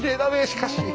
しかし。